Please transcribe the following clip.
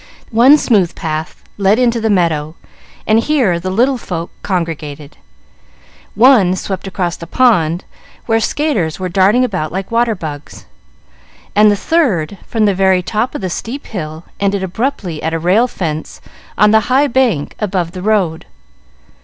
One smooth path led into the meadow, and here the little folk congregated; one swept across the pond, where skaters were darting about like water bugs; and the third, from the very top of the steep hill, ended abruptly at a rail fence on the high bank above the road.